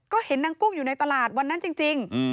ก็เห็นนางกุ้งอยู่ในตลาดวันนั้นจริง